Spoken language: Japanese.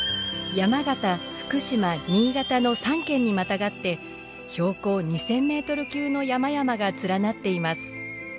山形福島新潟の３県にまたがって標高２，０００メートル級の山々が連なっています。